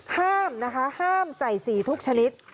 ห้ามนะคะห้ามใส่สีทุกชนิด